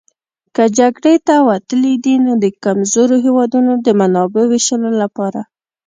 که جګړې ته وتلي دي نو د کمزورو هېوادونو د منابعو وېشلو لپاره.